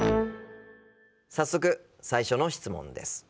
早速最初の質問です。